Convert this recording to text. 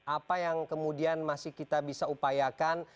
apa yang kemudian masih kita bisa upayakan